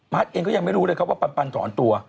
เองก็ยังไม่รู้เลยครับว่าปันถอนตัว